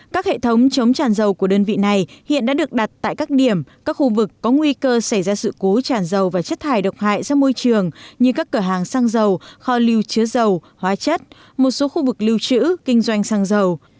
các hệ thống chống tràn dầu của đơn vị này hiện đã được đặt tại các điểm các khu vực có nguy cơ xảy ra sự cố tràn dầu và chất thải độc hại ra môi trường như các cửa hàng xăng dầu kho lưu chứa dầu hóa chất một số khu vực lưu trữ kinh doanh xăng dầu